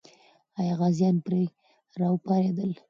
آیا غازیان پرې راوپارېدل؟